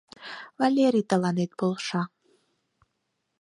Валерий тыланет полша.